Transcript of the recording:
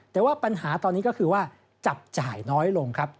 แต่ว่าปัญหาตอนนี้ก็คือว่าจับจ่ายน้อยลงครับ